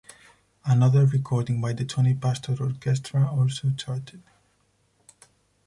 Another recording by the Tony Pastor orchestra also charted.